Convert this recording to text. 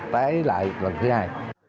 tái lại lần thứ hai